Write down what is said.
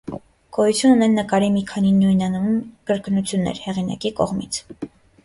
Գոյություն ունեն նկարի մի քանի նույնանուն կրկնություններ՝ հեղինակի կողմից։